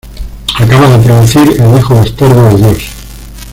Acaba de producir "El hijo bastardo de Dios".